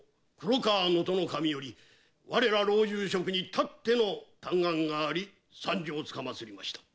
守より我ら老中職にたっての嘆願があり参上つかまつりました。